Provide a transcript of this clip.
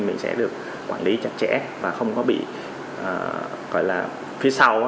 mình sẽ được quản lý chặt chẽ và không có bị gọi là phía sau